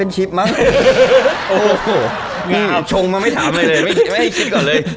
ชงมาไม่ถามอะไรเลยไม่ให้คิดก่อนเลย